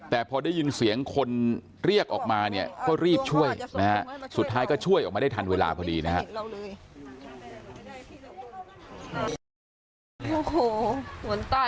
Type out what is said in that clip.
แต่พอได้ยินเสียงคนเรียกออกมาเนี่ยก็รีบช่วยนะฮะสุดท้ายก็ช่วยออกมาได้ทันเวลาพอดีนะฮะ